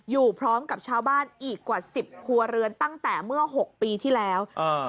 อยู่พร้อมกับชาวบ้านอีกกว่าสิบครัวเรือนตั้งแต่เมื่อหกปีที่แล้วอ่า